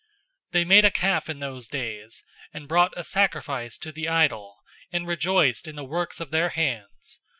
'{Exodus 32:1} 007:041 They made a calf in those days, and brought a sacrifice to the idol, and rejoiced in the works of their hands.